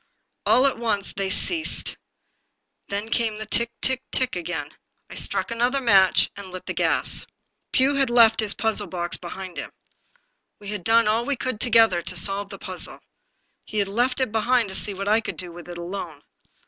All at once they ceased. Then came the tick, tick, tick again. I struck another match and lit the gas. Pugh had left his puzzle box behind him. We had done all we could, together, to solve the puzzle. He had left it behind to see what I could do with it alone.